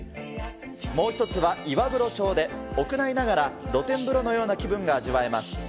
もう１つは岩風呂調で、屋内ながら露天風呂のような気分が味わえます。